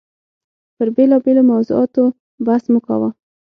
پر بېلابېلو موضوعاتو بحث مو کاوه.